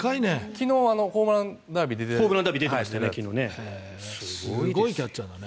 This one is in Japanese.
昨日ホームランダービーに出ていましたね。